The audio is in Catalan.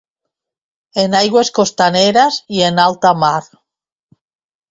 En aigües costaneres i en alta mar.